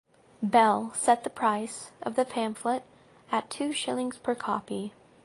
Bell set the price of the pamphlet at two shillings per copy.